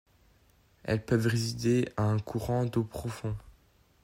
Elles peuvent résister à un courant d'eau profond.